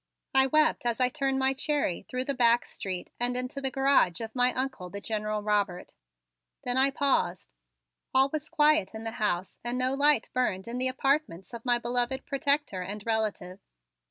I wept as I turned my Cherry through the back street and into the garage of my Uncle, the General Robert. Then I paused. All was quiet in the house and no light burned in the apartments of my beloved protector and relative.